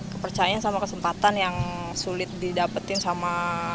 kepercayaan sama kesempatan yang sulit didapetin sama